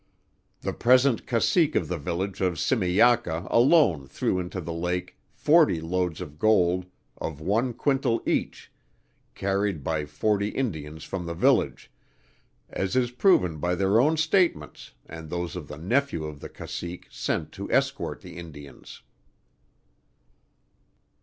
The present cacique of the village of Simijaca alone threw into the lake forty loads of gold of one quintal each, carried by forty Indians from the village, as is proven by their own statements and those of the nephew of the cacique sent to escort the Indians."